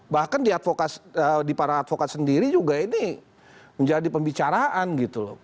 bahkan di para advokat sendiri juga ini menjadi pembicaraan gitu loh